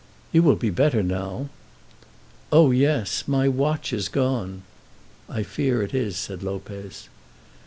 "You will be better now." "Oh, yes. My watch is gone!" "I fear it is," said Lopez.